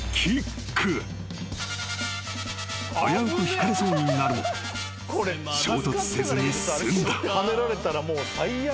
［危うくひかれそうになるも衝突せずに済んだ］